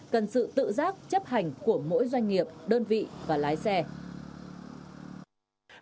cần sự tự giác chấp hành của mỗi doanh nghiệp đơn vị và lái xe